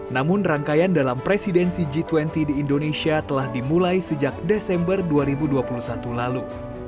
namun rangkaian dalam presidensi g dua puluh di indonesia telah dimulai sejak desember dua ribu dua puluh satu lalu